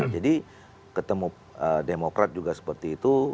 jadi ketemu demokrat juga seperti itu